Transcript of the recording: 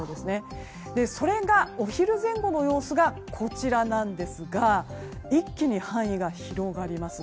それが、お昼前後の様子がこちらなんですが一気に範囲が広がります。